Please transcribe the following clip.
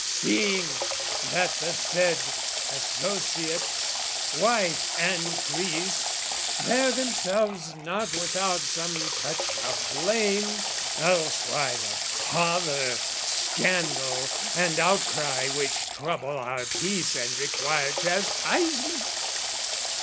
"Seeing that the said associates, wife and priest, "Bear themselves not without some touch of blame " Else why the pother, scandal, and outcry "Which trouble our peace and require chastisement?